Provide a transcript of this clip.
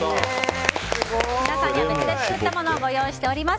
皆さんには別で作ったものをご用意しております。